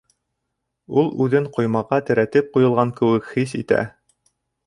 Ул үҙен ҡоймаға терәтеп ҡуйылған кеүек хис итә.